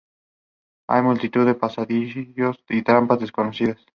Hay multitud de pasadizos y trampas escondidas.